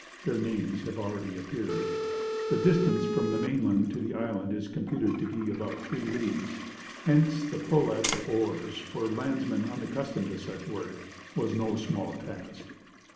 (Their names have already appeared.) The distance from the main land to the island is computed to be about three leagues, hence the pull at the oars, for landsmen unaccustomed to such kind of work, was no small task.